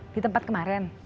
di tempat kemarin